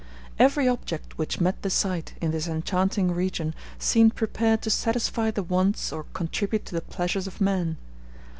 Every object which met the sight, in this enchanting region, seemed prepared to satisfy the wants or contribute to the pleasures of man.